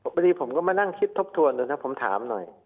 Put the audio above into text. บางทีผมก็มานั่งคิดทบทวนนะครับผมถามหน่อย